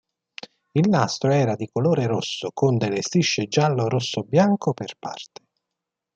Il nastro era di colore rosso con delle strisce giallo-rosso-bianco per parte.